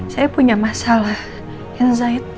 saya punya masalah anxiety